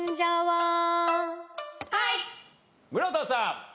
村田さん。